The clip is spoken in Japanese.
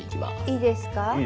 いいですか？